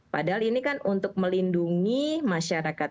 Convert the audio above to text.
padahal ini kan untuk melindungi masyarakat